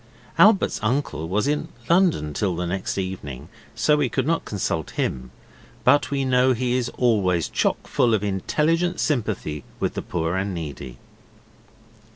Albert's uncle was in London till the next evening, so we could not consult him, but we know he is always chock full of intelligent sympathy with the poor and needy.